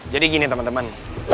jadi gini temen temen